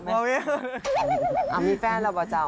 อ้าวมีแฟนแล้วป่าเจ้า